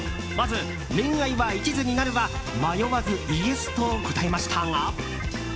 まず、恋愛は一途になるは迷わずイエスと答えましたが。